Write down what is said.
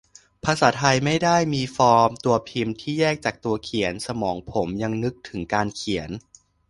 ภาษาไทยไม่ได้มีฟอร์มตัวพิมพ์ที่แยกจากตัวเขียน สมองผมยังนึกถึงการเขียน